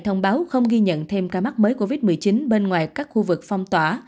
thông báo không ghi nhận thêm ca mắc mới covid một mươi chín bên ngoài các khu vực phong tỏa